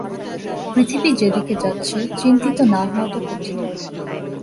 পৃথিবী যেদিকে যাচ্ছে, চিন্তিত না হওয়াটা কঠিন।